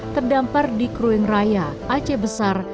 terdampar di krueng raya aceh besar